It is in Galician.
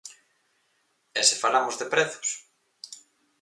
E se falamos de prezos?